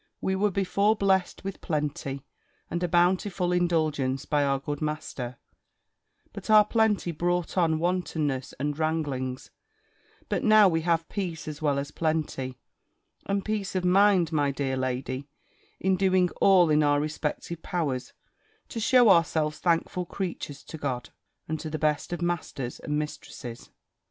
We were before blessed with plenty, and a bountiful indulgence, by our good master; but our plenty brought on wantonness and wranglings: but now we have peace as well as plenty; and peace of mind, my dear lady, in doing all in our respective powers, to shew ourselves thankful creatures to God, and to the best of masters and mistresses."